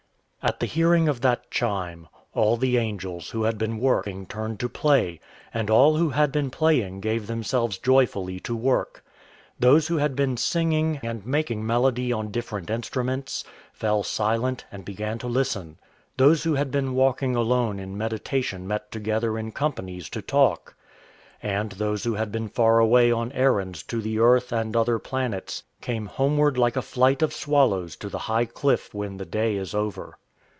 At the hearing of that chime, all the angels who had been working turned to play, and all who had been playing gave themselves joyfully to work. Those who had been singing, and making melody on different instruments, fell silent and began to listen. Those who had been walking alone in meditation met together in companies to talk. And those who had been far away on errands to the Earth and other planets came homeward like a flight of swallows to the high cliff when the day is over.